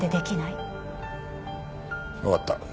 わかった。